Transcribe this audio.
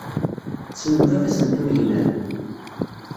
Tessnem baba-s n Tunhinan.